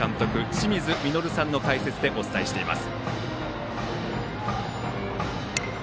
清水稔さんの解説でお伝えしています。